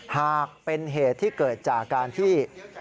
หากเป็นเหตุที่เกิดจากการที่